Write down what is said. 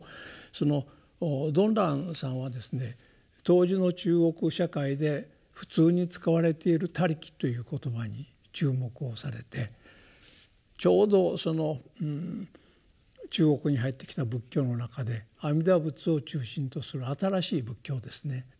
その曇鸞さんはですね当時の中国社会で普通に使われている「他力」という言葉に注目をされてちょうどその中国に入ってきた仏教の中で阿弥陀仏を中心とする新しい仏教ですね。